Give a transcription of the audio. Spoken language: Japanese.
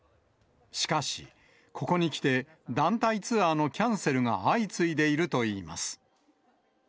しかし、ここにきて団体ツアーのキャンセルが相次いでいるといいます。